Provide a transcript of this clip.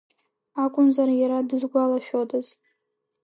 Акәымзар иара дызгәалашәодаз.